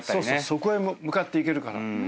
そこへ向かっていけるから。